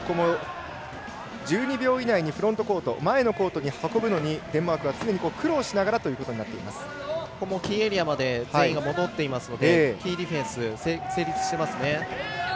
１２秒以内にフロントコート前のコートに運ぶのにデンマークは常にキーエリアまで全員が戻っていますのでキーディフェンス成立してますね。